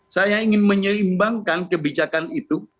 saya ingin menyeimbangkan kebijakan itu